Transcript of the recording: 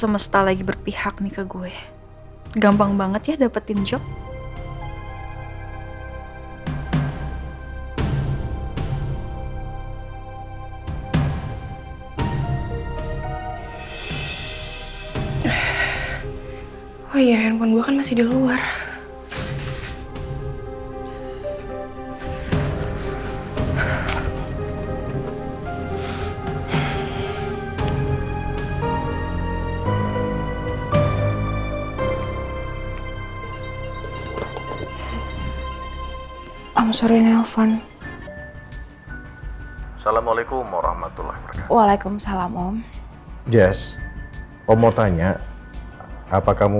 i'm sorry nelpon salamualaikum warahmatullah waalaikumsalam om yes om mau tanya apa kamu